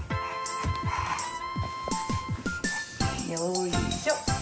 よいしょ。